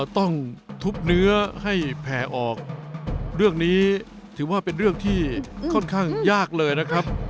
ต้องทุบเนื้อให้แผ่ออกเรื่องนี้ถือว่าเป็นเรื่องที่ค่อนข้างยากเลยนะครับ